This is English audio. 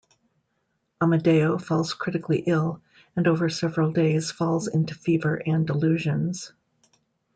Amadeo falls critically ill, and over several days falls into fever and delusions.